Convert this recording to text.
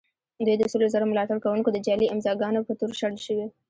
دوی د سلو زرو ملاتړ کوونکو د جعلي امضاء ګانو په تور شړل شوي.